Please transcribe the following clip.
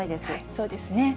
そうですね。